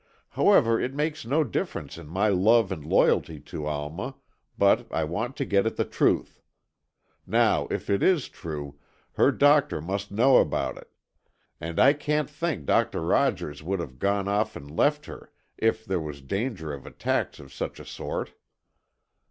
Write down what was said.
However, it makes no difference in my love and loyalty to Alma, but I want to get at the truth. Now if it is true, her doctor must know about it. And I can't think Doctor Rogers would have gone off and left her if there was danger of attacks of such a sort."